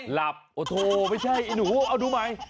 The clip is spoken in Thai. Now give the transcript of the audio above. หลับโอ้โหไม่ใช่ไอ้หนูเอาดูใหม่